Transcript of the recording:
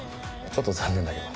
ちょっと残念だけど。